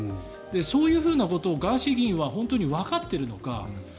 そういうことをガーシー議員は本当にわかっているのか。